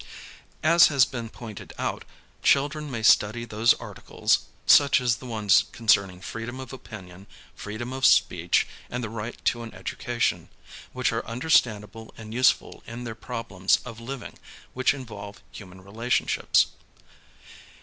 As has been pointed out. children may study those Articles (such as the ones concerning freedom of opinion, freedom of speech, and the right to an education) which are understandable and useful in their problems of living which involve human relationships.